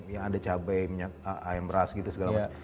yang ada cabai minyak ayam beras gitu segala macam